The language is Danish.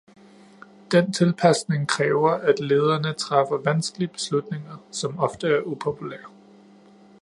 Den tilpasning kræver, at lederne træffer vanskelige beslutninger, som ofte er upopulære.